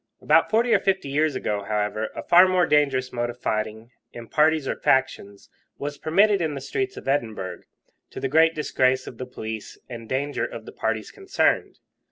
About forty or fifty years ago, however, a far more dangerous mode of fighting, in parties or factions, was permitted in the streets of Edinburgh, to the great disgrace of the police and danger of the parties concerned.